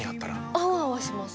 アワアワします